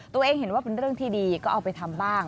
ตัวเองเห็นว่าเป็นเรื่องที่ดีก็เอาไปทำบ้าง